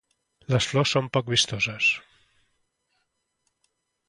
Les flors són poc vistoses.